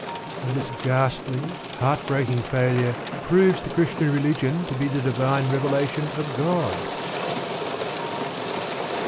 And this ghastly heart breaking failure proves the Christian religion to be the Divine Revelation of God!